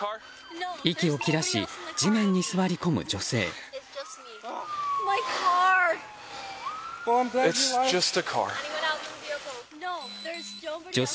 息を切らし、地面に座り込む女性。